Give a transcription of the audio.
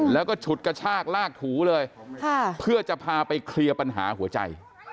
แล้วก็ฉุดกระชากลากถูเลยเพื่อจะพาไปเคลียร์ปัญหาหัวใจ